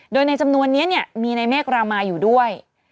โดยในจำนวนนี้มีในเมฆรามาอยู่ด้วย